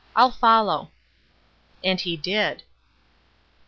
I'll follow." And he did.